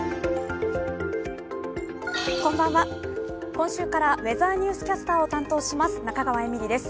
今週から「ウェザーニュースキャスター」を担当します中川絵美里です。